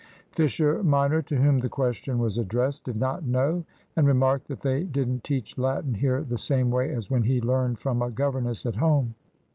Fisher minor, to whom the question was addressed, did not know, and remarked that they didn't teach Latin here the same way as when he learned from a governess at home.